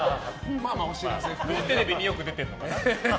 フジテレビによく出てるんだね。